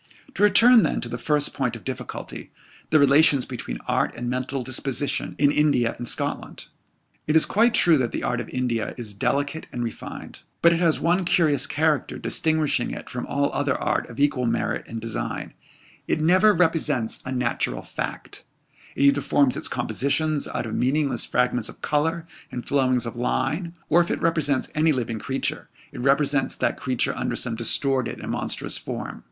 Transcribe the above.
To return, then, to the first point of difficulty, the relations between art and mental disposition in India and Scotland. It is quite true that the art of India is delicate and refined. But it has one curious character distinguishing it from all other art of equal merit in design it never represents a natural fact. It either forms its compositions out of meaningless fragments of colour and flowings of line; or if it represents any living creature, it represents that creature under some distorted and monstrous form.